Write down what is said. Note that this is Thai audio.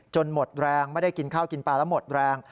หมดแรงไม่ได้กินข้าวกินปลาแล้วหมดแรง